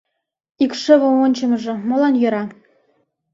Икшывым ончымыжо молан йӧра -